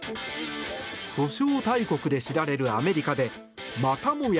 訴訟大国で知られるアメリカでまたもや